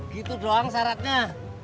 gitu doang syaratnya